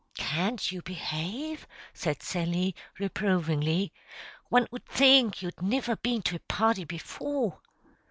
"Can't you behave?" said Sally, reprovingly. "One 'ud think you'd niver been to a party before."